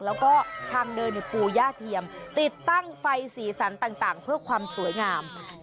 แล้วก็ทางเดินปูย่าเทียมติดตั้งไฟสีสันต่างเพื่อความสวยงาม